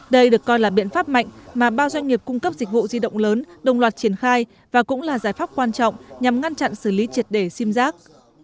đây được coi là biện pháp mạnh mà ba doanh nghiệp cung cấp dịch vụ di động lớn đồng loạt triển khai và cũng là giải pháp quan trọng nhằm ngăn chặn xử lý triệt để sim giác